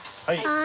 はい。